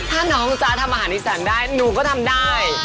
ถ้าน้องจ๊ะทำอาหารอีสานได้หนูก็ทำได้